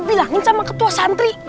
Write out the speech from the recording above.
bilangin sama ketua santri